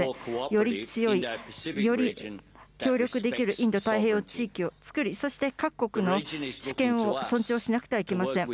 より強い、より協力できるインド太平洋地域を作り、そして各国の主権を尊重しなくてはいけません。